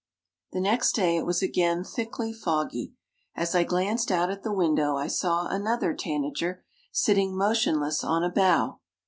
The next day it was again thickly foggy. As I glanced out at the window I saw another tanager, sitting motionless on a bough.